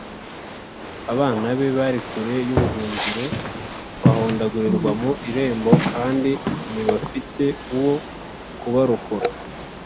abana be bari kure y’ubuhungiro, bahondagurirwa mu irembo, kandi ntibafite uwo kubarokora